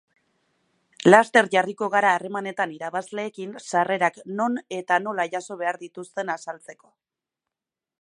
Laster jarriko gara harremanetan irabazleekin sarrerak non eta nola jaso behar dituzten azaltzeko.